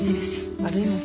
悪いもん。